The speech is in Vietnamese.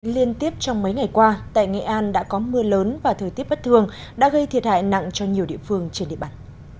liên tiếp trong mấy ngày qua tại nghệ an đã có mưa lớn và thời tiết bất thường đã gây thiệt hại nặng cho nhiều địa phương trên địa bàn